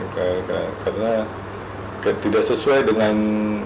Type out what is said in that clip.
karena tidak sesuai dengan